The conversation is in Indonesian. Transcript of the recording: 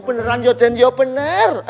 beneran den ya bener